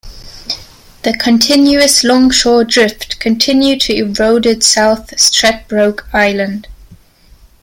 The continuous longshore drift continued to eroded South Stradbroke Island.